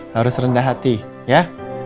harus rendah hati ya